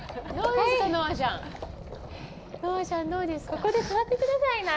ここで座ってくださいな。